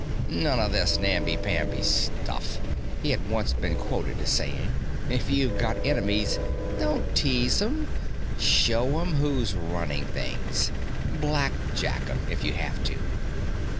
"None of this namby pamby stuff," he had once been quoted as saying; "if you got enemies, don't tease 'em show 'em who's running things. Blackjack 'em, if you have to."